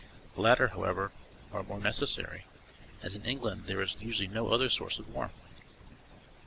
The latter, however, are more necessary, as in England there is usually no other source of warmth.